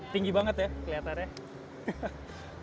tinggi banget ya kelihatannya